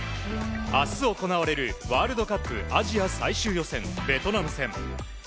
明日行われるワールドカップアジア最終予選ベトナム戦。